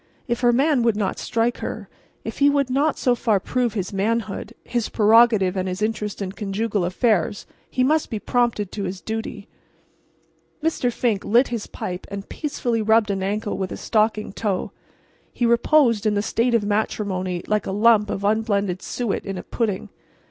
If her man would not strike her—if he would not so far prove his manhood, his prerogative and his interest in conjugal affairs, he must be prompted to his duty. Mr. Fink lit his pipe and peacefully rubbed an ankle with a stockinged toe. He reposed in the state of matrimony like a lump of unblended suet in a pudding.